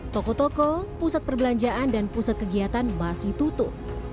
toko toko pusat perbelanjaan dan pusat kegiatan masih tutup